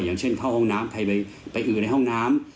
อย่างเช่นเข้าห้องน้ำใครไปอือในห้องน้ำ